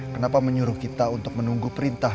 kenapa menyuruh kita untuk menunggu perintah